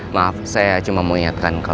maaf saya cuma mau ingatkan